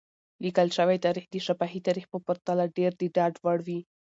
لیکل شوی تاریخ د شفاهي تاریخ په پرتله ډېر د ډاډ وړ وي.